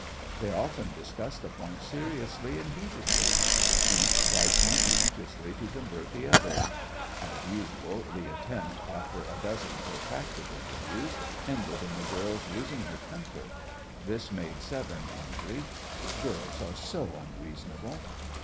They often discussed the point seriously and heatedly. Each tried conscientiously to convert the other. As usual, the attempt, after a dozen protracted interviews, ended in the girl's losing her temper. This made Severne angry. Girls are so unreasonable!